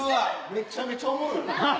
めちゃめちゃおもろい。